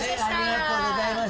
ありがとうございます。